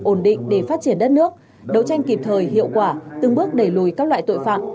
ổn định để phát triển đất nước đấu tranh kịp thời hiệu quả từng bước đẩy lùi các loại tội phạm